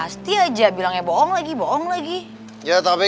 si neng teku maha sih